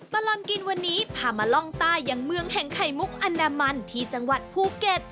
ตลอดกินวันนี้พามาล่องใต้ยังเมืองแห่งไข่มุกอนามันที่จังหวัดภูเก็ต